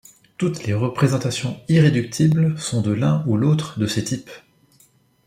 Toutes les représentations irréductibles sont de l'un ou l'autre de ces types.